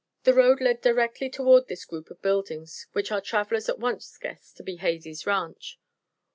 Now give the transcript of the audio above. The road led directly toward this group of buildings, which our travelers at once guessed to be "Hades Ranch."